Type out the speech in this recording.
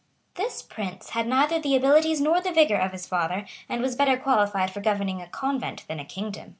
This prince had neither the abilities nor the vigor of his father, and was better qualified for governing a convent than a kingdom.